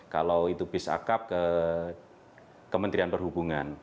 kalau itu bis akab ke kementerian perhubungan